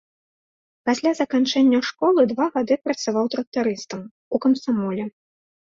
Пасля заканчэння школы два гады працаваў трактарыстам, у камсамоле.